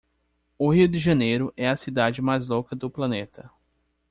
o rio de janeiro é a cidade mais louca do planeta